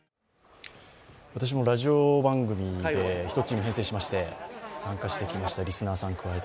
私もラジオ番組で１チーム編成しまして参加してきました、リスナーさんを加えて。